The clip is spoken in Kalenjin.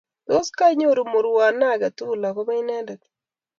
tos koinyoru murwone age tugul akobo inendet